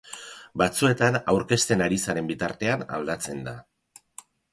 Batzuetan aurkezten ari zaren bitartean aldatzen da.